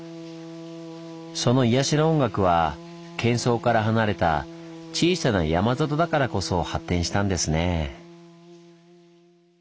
その「癒やしの音楽」はけん騒から離れた小さな山里だからこそ発展したんですねぇ。